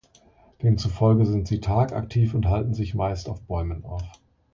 Demzufolge sind sie tagaktiv und halten sich meist auf Bäumen auf.